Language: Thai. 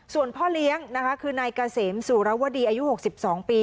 ส่วนพ่อเลี้ยงนะคะคือนายกาเสมสูรวดีอายุหกสิบสองปี